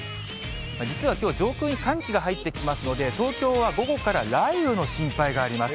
実はきょう、上空に寒気が入ってきますので、東京は午後から雷雨の心配があります。